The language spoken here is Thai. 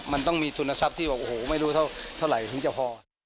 มันต้องมีทุนทรัพย์ที่บอกโอ้โหไม่รู้เท่าไหร่ถึงจะพอ